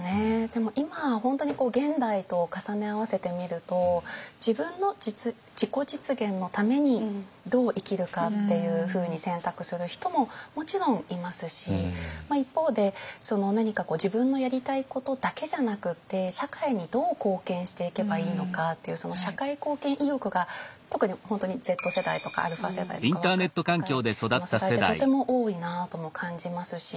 でも今本当に現代と重ね合わせてみると自分の自己実現のためにどう生きるかっていうふうに選択する人ももちろんいますし一方で何か自分のやりたいことだけじゃなくって社会にどう貢献していけばいいのかっていうその社会貢献意欲が特に本当にＺ世代とかα世代とか若い世代ってとても多いなとも感じますし。